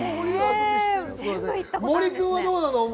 森君はどうなの？